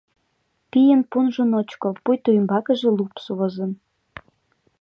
Пийын пунжо ночко, пуйто ӱмбакыже лупс возын.